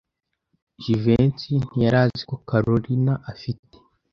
Jivency ntiyari azi ko Kalorina afite.